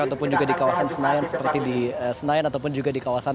ataupun juga di kawasan senayan seperti di senayan ataupun juga di kawasan